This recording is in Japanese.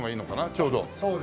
ちょうど。